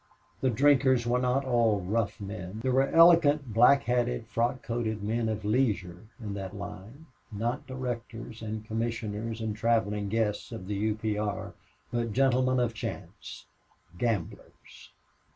The drinkers were not all rough men. There were elegant black hatted, frock coated men of leisure in that line not directors and commissioners and traveling guests of the U. P. R., but gentlemen of chance. Gamblers!